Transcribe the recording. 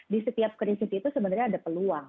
di setiap krisis itu sebenarnya ada peluang